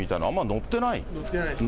載ってないですね。